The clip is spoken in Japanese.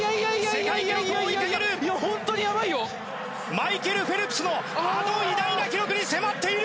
マイケル・フェルプスのあの偉大な記録に迫っている！